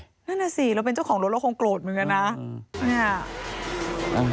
นั่นน่ะสิเราเป็นเจ้าของรถเราคงโกรธเหมือนกันนะ